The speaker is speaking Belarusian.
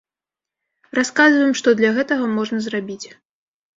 Расказваем, што для гэтага можна зрабіць.